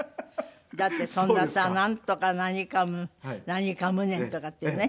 だってそんなさなんとか何かむ何かむねんとかっていうね。